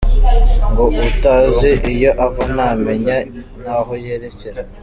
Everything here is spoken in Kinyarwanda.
Ngo utazi iyo ava ntamenya n’aho yerekera.